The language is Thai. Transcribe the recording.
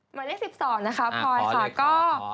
หมายเลข๑๒นะคะพลอยค่ะก็